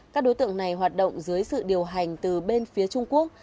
các đối tượng này hoạt động dưới sự điều hành từ bên phía trung quốc